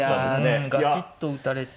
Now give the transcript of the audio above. ガチッと打たれて。